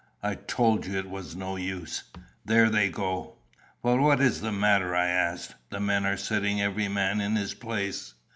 "I told you it was no use. There they go." "But what is the matter?" I asked. "The men are sitting every man in his place."